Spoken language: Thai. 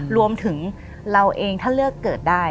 รวมถึงเราเองถ้าเลือกเกิดได้